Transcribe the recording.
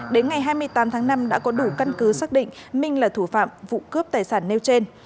đến ngày hai mươi tám tháng năm đã có đủ căn cứ xác định minh là thủ phạm vụ cướp tài sản nêu trên